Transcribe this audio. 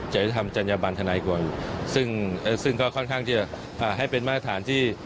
จะทำจัญญบันทนายก่อนซึ่งก็ค่อนข้างที่จะให้เป็นมาตรฐานที่